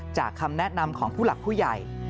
คำแนะนำของผู้หลักผู้ใหญ่